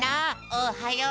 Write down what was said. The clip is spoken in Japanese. おはよう！